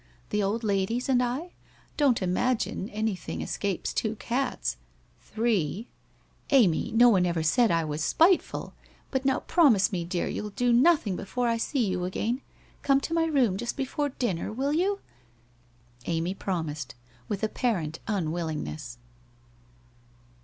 The old ladies and I ? Don't imagine anything escapes two cats !—'« Three/ ' Amy, no one ever said I was spiteful ! But now prom ise me, dear, you'll do nothing before I see you again? Come to my room just before dinner, will you ?' Amy promised, with apparent unwillingness.